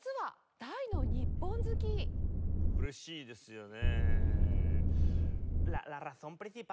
嬉しいですよね。